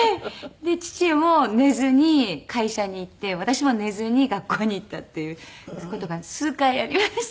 で父も寝ずに会社に行って私も寝ずに学校に行ったっていう事が数回ありました。